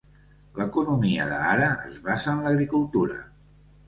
L'economia de Hara es basa en l'agricultura.